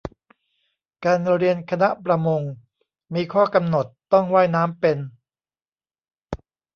การเรียนคณะประมง มีข้อกำหนดต้องว่ายน้ำเป็น